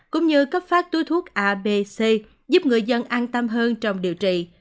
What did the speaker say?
cũng như cấp phát túi thuốc abc giúp người dân an tâm hơn trong điều trị